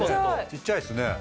ちっちゃいですね。